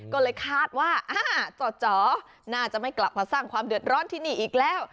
ก็เลยคาดว่าจ่อน่าจะไม่กลับมาสร้างความเดือดร้อนที่นี่อีกแล้ว